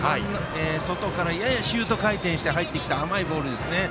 外からややシュート回転しながら入ってきた甘いボールでしたね。